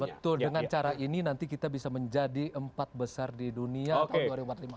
betul dengan cara ini nanti kita bisa menjadi empat besar di dunia tahun dua ribu empat puluh lima